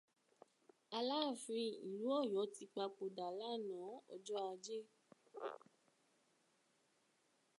Aláàfin ìlú Ọyọ ti papòdà lánà-án ọjọ́ Ajé.